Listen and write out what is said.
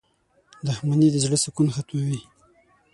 • دښمني د زړۀ سکون ختموي.